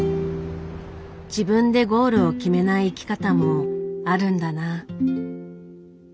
自分でゴールを決めない生き方もあるんだな。